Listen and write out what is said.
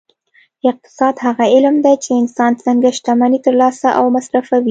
اقتصاد هغه علم دی چې انسان څنګه شتمني ترلاسه او مصرفوي